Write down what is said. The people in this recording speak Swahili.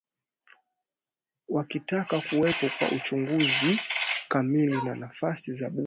wakitaka kuwepo kwa uchaguzi kamili wa nafasi za bunge